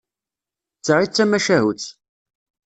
D ta i d-tamacahut.